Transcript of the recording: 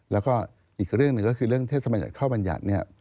แล้วก็อีกเรื่องหนึ่งก็คือเรื่องเทศมัญญัติเข้าบรรยัติเนี่ย